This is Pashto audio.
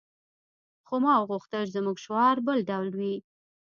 خو ما غوښتل زموږ شعار بل ډول وي